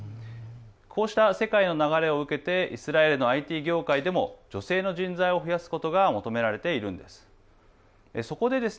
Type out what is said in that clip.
こうした世界の流れを受けてイスラエルのＩＴ業界でも女性の人材を増やすことが求められているんです。